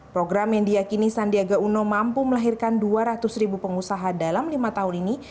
program yang diakini sandiaga uno mampu melahirkan dua ratus ribu pengusaha dalam lima tahun ini